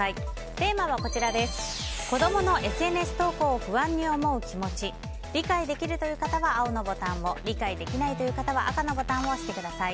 テーマは、子供のＳＮＳ投稿を不安に思う気持ち理解できるという方は青のボタンを理解できないという方は赤のボタンを押してください。